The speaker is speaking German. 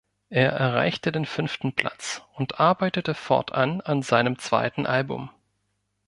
Er erreichte den fünften Platz und arbeitete fortan an seinem zweiten Album.